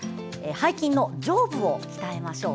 背筋の上部を鍛えましょう。